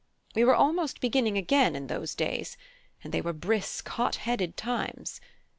We were almost beginning again in those days: and they were brisk, hot headed times.